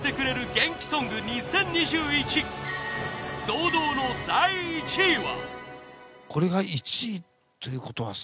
堂々の第１位は。